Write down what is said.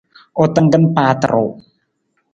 U tangkang paata ruu.